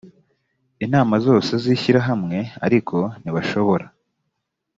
inama zose z’ ishyirahamwe ariko ntibashobora